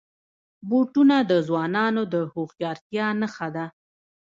بوټونه د ځوانانو د هوښیارتیا نښه ده.